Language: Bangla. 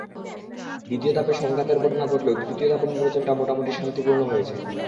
দ্বিতীয় ধাপে সংঘাতের ঘটনা ঘটলেও তৃতীয় ধাপের নির্বাচনটা মোটামুটি শান্তিপূর্ণ হয়েছে।